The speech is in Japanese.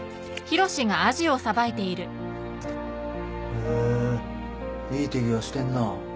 へぇいい手際してんな。